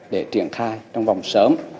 để triển khai trong vòng sớm